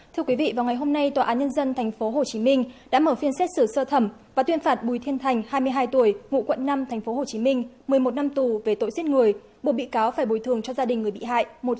thưa quý vị vào ngày hôm nay tòa án nhân dân tp hcm đã mở phiên xét xử sơ thẩm và tuyên phạt bùi thiên thành hai mươi hai tuổi ngụ quận năm tp hcm một mươi một năm tù về tội giết người buộc bị cáo phải bồi thường cho gia đình người bị hại